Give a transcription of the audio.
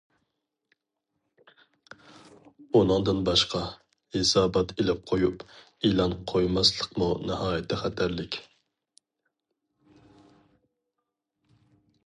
ئۇنىڭدىن باشقا، ھېسابات ئېلىپ قويۇپ، ئېلان قويماسلىقمۇ ناھايىتى خەتەرلىك.